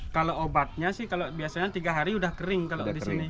kalau obatnya sih kalau biasanya tiga hari sudah kering kalau di sini